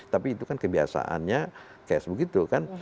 tapi itu kan kebiasaannya kayak begitu kan